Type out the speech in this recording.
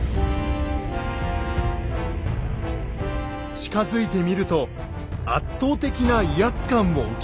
近づいてみると圧倒的な威圧感も受けます。